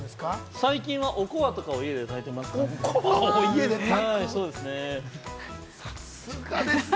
◆最近は、おこわとかを家で炊いてますね。